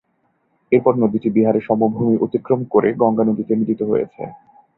এর পর নদীটি বিহারে সমভূমি অতিক্রম করে গঙ্গা নদীতে মিলিত হয়েছে।